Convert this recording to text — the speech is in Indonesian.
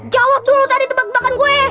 jawab dulu tadi tebak tebakan gue